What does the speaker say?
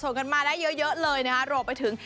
ส่งกันมาได้เยอะเลยนะครับโรคไปถึง